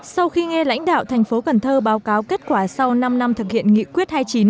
sau khi nghe lãnh đạo thành phố cần thơ báo cáo kết quả sau năm năm thực hiện nghị quyết hai mươi chín